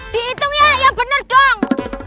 dihitung ya yang bener dong